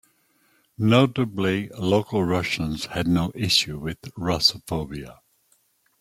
Notably, local Russians had no issues with Russophobia.